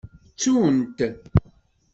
Ttun-t.